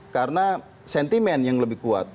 karena sentimen yang lebih kuat